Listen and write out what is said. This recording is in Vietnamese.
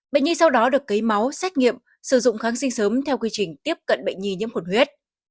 bệnh nhi sau đó được lấy máu xét nghiệm sử dụng kháng sinh sớm theo quy trình tiếp cận bệnh nhi nhiễm khuẩn huyết